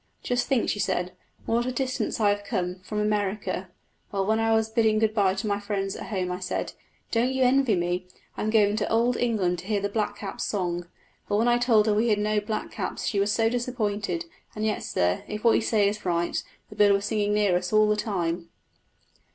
Just think,' she said, 'what a distance I have come, from America! Well, when I was bidding good bye to my friends at home I said, "Don't you envy me? I'm going to Old England to hear the blackcap's song."' Well, when I told her we had no blackcaps she was so disappointed; and yet, sir, if what you say is right, the bird was singing near us all the time!"